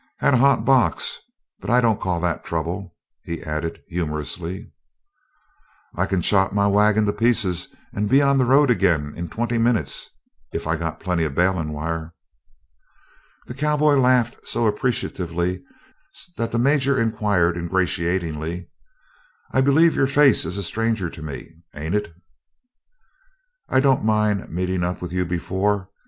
"Had a hot box, but I don't call that trouble." He added humorously: "I can chop my wagon to pieces and be on the road again in twenty minutes, if I got plenty of balin' wire." The cowboy laughed so appreciatively that the Major inquired ingratiatingly: "I bleeve your face is a stranger to me, ain't it?" "I don't mind meetin' up with you before.